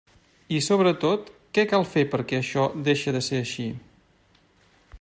I sobretot, ¿què cal fer perquè això deixe de ser així?